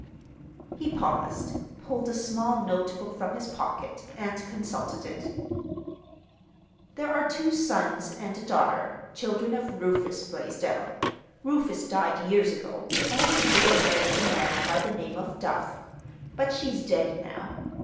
He paused, pulled a small notebook from his pocket, and consulted it. "There are two sons and a daughter, children of Rufus Blaisdell. Rufus died years ago, and his widow married a man by the name of Duff. But she's dead now.